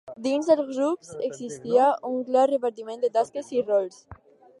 Dins els grups existia un clar repartiment de tasques i rols.